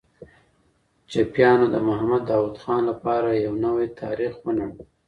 چپیانو د محمد داوود خان لپاره یو نوی تاریخ ونړاوه.